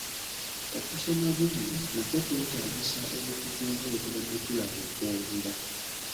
Okusoma bwiino nakwo kwetaagisa obukugu nga bwe tubadde tulaba okwogera.